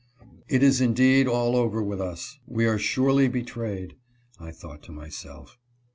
"It is indeed all over with us ; we are surely betrayed" I thought to myself.